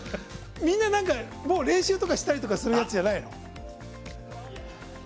みんな、練習とかしたりするやつじゃないの？